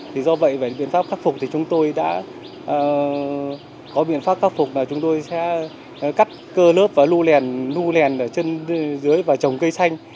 thì do vậy về biện pháp khắc phục thì chúng tôi đã có biện pháp khắc phục là chúng tôi sẽ cắt cơ lớp và lưu nền ở chân dưới và trồng cây xanh